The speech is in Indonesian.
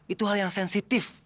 itu hal yang sensitif